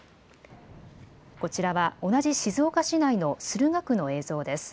こちらは同じ静岡市内の駿河区の映像です。